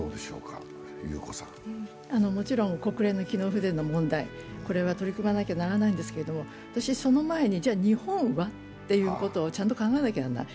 もちろん国連の機能不全の問題、これは取り組まなきゃならないんですけれども、その前に、じゃ日本は？というのをちゃんと考えなきゃいけない。